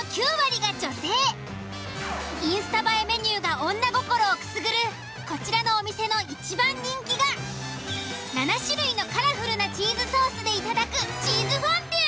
インスタ映えメニューが女心をくすぐるこちらのお店の一番人気が７種類のカラフルなチーズソースでいただくチーズフォンデュ。